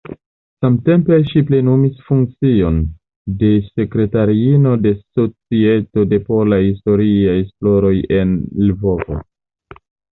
Samtempe ŝi plenumis funkcion de sekretariino de Societo de Polaj Historiaj Esploroj en Lvovo.